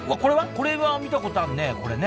これは見たことあるねこれね。